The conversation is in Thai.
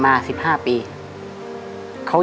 เอาทาง่าน